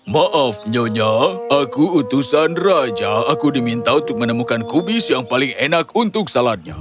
maaf nyonya aku utusan raja aku diminta untuk menemukan kubis yang paling enak untuk salatnya